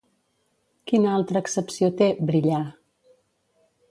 Quina altra accepció té "brillar"?